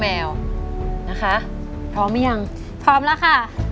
ทั้งในเรื่องของการทำงานเคยทำนานแล้วเกิดปัญหาน้อย